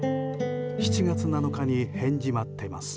７月７日に返事待ってます。